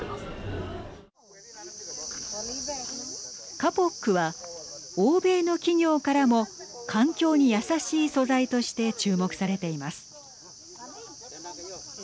カポックは欧米の企業からも環境に優しい素材として注目されています。